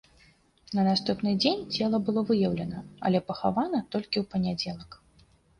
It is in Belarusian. На наступны дзень цела было выяўлена, але пахавана толькі ў панядзелак.